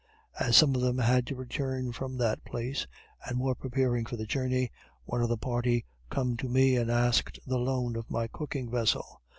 As some of them had to return from that place, and were preparing for the journey, one of the party come to me and asked the loan of my cooking vessel.